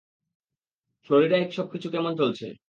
ফ্লোরিডায় সবকিছু কেমন চলছে?